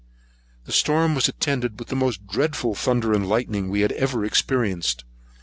This storm was attended with the most dreadful thunder and lightning we had ever experienced.